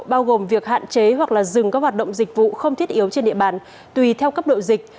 bao gồm việc hạn chế hoặc dừng các hoạt động dịch vụ không thiết yếu trên địa bàn tùy theo cấp độ dịch